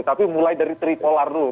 tapi mulai dari trikolar dulu